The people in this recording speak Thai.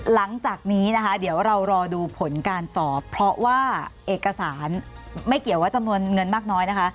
หลังจากนี้นะคะเดี๋ยวเรารอดูผลการสอบเพราะว่าเอกสารไม่เกี่ยวว่าจำนวนเงินมากน้อยนะคะ